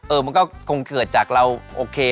มันก็คงเกิดจากเราโอเค